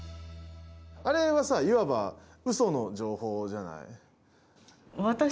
あれはさいわばうその情報じゃない。